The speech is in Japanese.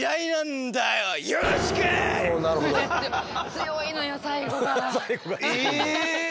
強いのよ最後が。え！